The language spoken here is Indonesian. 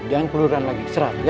jangan keluarin lagi istirahat ya